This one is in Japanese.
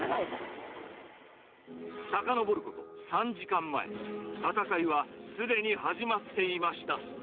さかのぼること３時間前、戦いはすでに始まっていました。